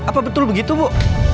apa betul begitu bu